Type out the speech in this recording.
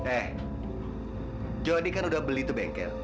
eh jody kan udah beli tuh bengkel